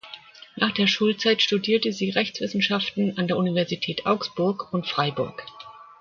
Nach der Schulzeit studierte Sie Rechtswissenschaften an der Universität Augsburg und Freiburg.